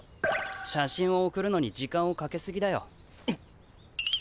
写真を送るのに時間をかけすぎだよ。